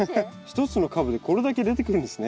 一つの株でこれだけ出てくるんですね。